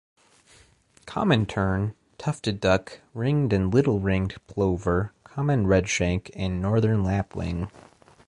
Common tern, tufted duck, ringed and little ringed plover, common redshank and northern lapwing.